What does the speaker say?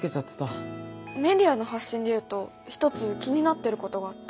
メディアの発信で言うと一つ気になってることがあって。